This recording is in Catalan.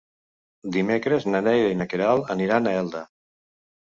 Dimecres na Neida i na Queralt aniran a Elda.